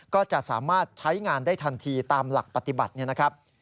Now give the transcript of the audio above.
ก็จะสามารถใช้งานได้ทันทีตามหลักปฏิบัติเนี่ยนะครับ